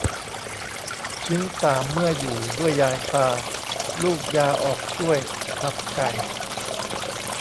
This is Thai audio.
ชิ้นสามเมื่ออยู่ด้วยยายตา ลูกยาออกช่วยขับไก่